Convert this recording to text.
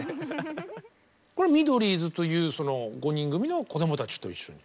これはミドリーズというその５人組の子どもたちと一緒に。